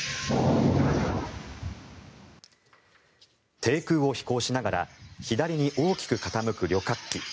低空を飛行しながら左に大きく傾く旅客機。